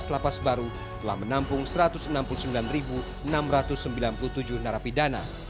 delapan belas lapas baru telah menampung satu ratus enam puluh sembilan enam ratus sembilan puluh tujuh narapidana